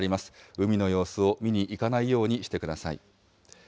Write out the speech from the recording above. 海の様子を見に行かないようにしてください。